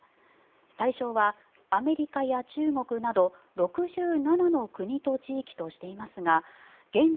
対象はアメリカや中国など６７の国と地域としていますが現状